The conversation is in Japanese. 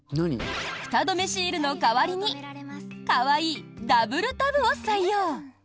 フタ止めシールの代わりに可愛いＷタブを採用。